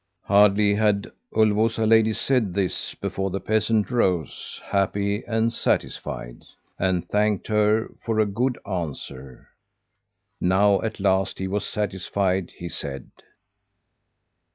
"Hardly had Ulvåsa lady said this before the peasant rose happy and satisfied and thanked her for a good answer. Now, at last, he was satisfied, he said.